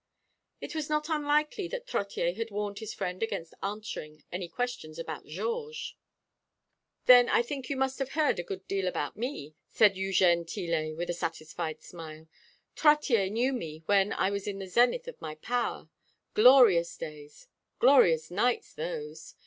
It was not unlikely that Trottier had warned his friend against answering any inquiries about Georges. "Then I think you must have heard a good deal about me," said Eugène Tillet, with a satisfied smile. "Trottier knew me when I was in the zenith of my power glorious days glorious nights those.